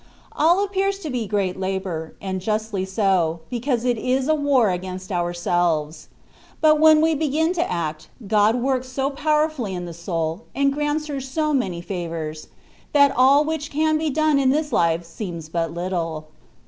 All appears to be great labour, and justly so, because it is a war against ourselyes ; but when we begin to act, God works so powerfully in the soul, and grants her so many favours — ^that all which can be done in this life seems but little.